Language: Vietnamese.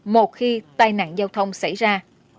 một khi tai nạn giao thông xảy ra